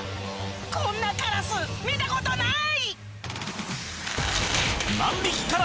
こんなカラス見たことない！